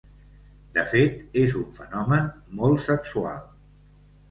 De fet, és un fenomen molt sexual.